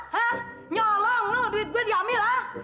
hah nyolong lu duit gua diambil ha